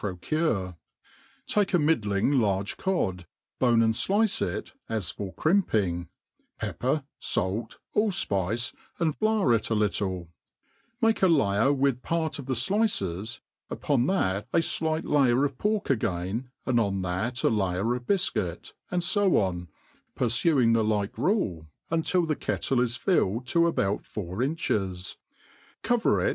procure 4 take^a middling large cod, bone'^and ftice it as fcvr crimping, pepper, fait, alU fpice, and flour it a little'; mak;c a layex with, pirt of the fliccs, upon tbat a flight layer of pork, again, tand on ^hat a layer of bifcuit; and fo on, purfuing the like rule, until the kettle is filled to abcipt four iniches • ^covet it.